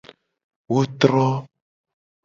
Wo tro.